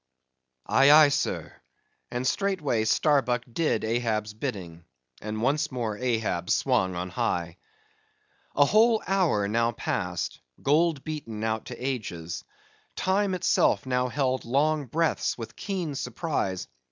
"Aye, aye, sir," and straightway Starbuck did Ahab's bidding, and once more Ahab swung on high. A whole hour now passed; gold beaten out to ages. Time itself now held long breaths with keen suspense.